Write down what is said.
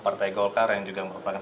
partai golkar yang juga merupakan